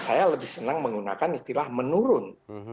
saya lebih senang menggunakan istilah menurun